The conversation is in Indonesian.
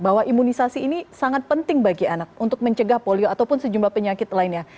bahwa imunisasi ini sangat penting bagi anak untuk mencegah polio ataupun sejumlah penyakit lainnya